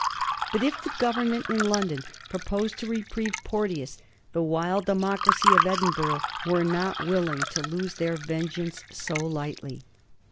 But, if the Government in London proposed to reprieve Porteous, the wild democracy of Edinburgh were not willing to lose their vengeance so lightly.